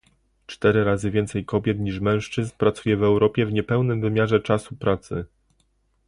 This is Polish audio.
Cztery razy więcej kobiet niż mężczyzn pracuje w Europie w niepełnym wymiarze czasu pracy